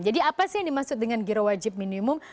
jadi apa sih yang dimaksud dengan giro wajib minimum